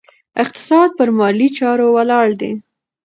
اقتصاد په مالي چارو ولاړ دی.